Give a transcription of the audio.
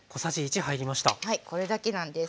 はいこれだけなんです。